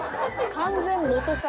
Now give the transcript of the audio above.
完全元彼。